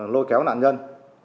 lôi kéo nạn nhân